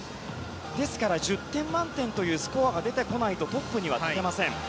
ですから１０点満点というスコアが出てこないとトップには立てません。